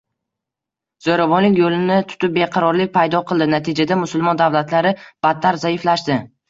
Zo‘ravonlik yo‘lini tutib, beqarorlik paydo qildi, natijada musulmon davlatlari battar zaiflashdi